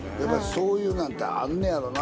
そういうなんってあんねやろな。